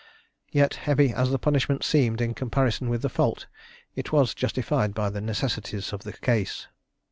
Yet, heavy as the punishment seemed in comparison with the fault, it was justified by the necessities of the case.